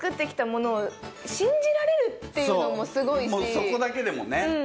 そこだけでもね。